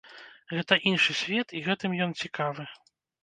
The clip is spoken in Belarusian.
Гэта іншы свет і гэтым ён цікавы.